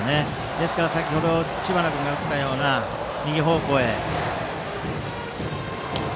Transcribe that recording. ですから、先程知花君が打ったような右方向へ。